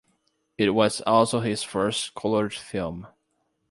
It was also his first colored film.